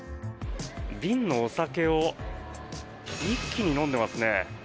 瓶のお酒を一気に飲んでますね。